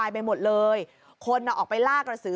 ไม่มีอะไรแล้ว